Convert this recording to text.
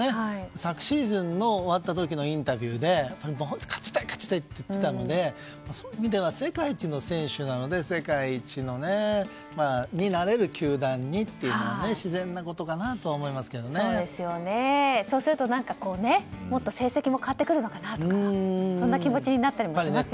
昨シーズン終わった時のインタビューで本当に勝ちたいと言っていたのでそういう意味では世界一の選手なので世界一になれる球団にというのがそうするともっと成績も変わってくるのかなとかそんな気持ちになりますよね。